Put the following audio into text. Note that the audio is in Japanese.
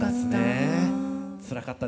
つらかった。